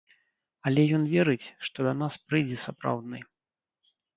Але ён верыць, што да нас прыйдзе сапраўдны.